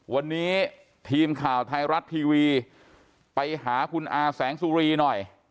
วันนี้ทีมข่าวไทยรัฐทีวีไปหาคุณอาแสงสุรีหน่อย